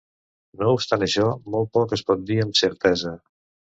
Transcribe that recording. No obstant això, molt poc es pot dir amb certesa.